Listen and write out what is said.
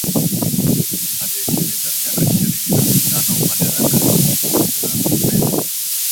aliye timiza miaka ishirini na mitano madarakani kumbuka upendo